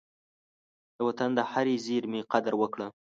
د وطن د هرې زېرمي قدر وکړه.